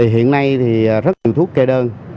hiện nay thì rất nhiều thuốc gây đơn